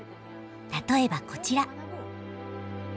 例えばこちら。